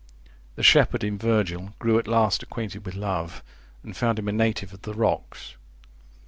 The shepherd in Virgil grew at last acquainted with Love, and found him a native of the rocks.